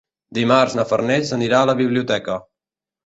Dimarts na Farners anirà a la biblioteca.